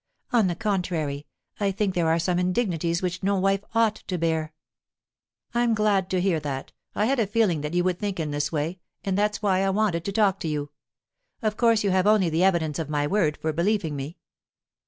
On the contrary, I think there are some indignities which no wife ought to bear." "I'm glad to hear that. I had a feeling that you would think in this way, and that's why I wanted to talk to you. Of course you have only the evidence of my word for believing me."